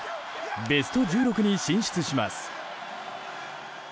ベスト１６に進出します。